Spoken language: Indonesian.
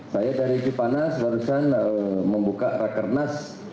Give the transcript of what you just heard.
saya dari cipanas barusan membuka rakernas